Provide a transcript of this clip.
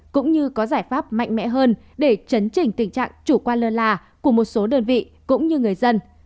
cũng như có giải pháp mạnh mẽ hơn để chấn chỉnh tình trạng chủ quan lơ là của một số đơn vị cũng như người dân